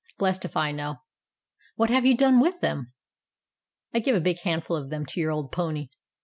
"Blessed if I know." "What have you done with them?" "I gave a big handful of them to your old pony."